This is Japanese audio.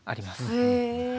へえ！